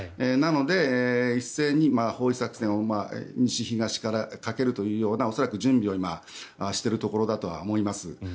なので、一斉に包囲作戦を西、東からかけるというような恐らく、準備をしているところだと思います。